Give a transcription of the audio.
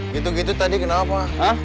gitu gitu tadi kenapa